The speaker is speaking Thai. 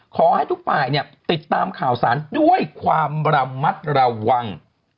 ขอให้ทุกฝ่ายเนี่ยติดตามข่าวสารด้วยความระมัดระวัง